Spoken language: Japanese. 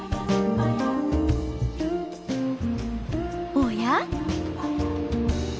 おや？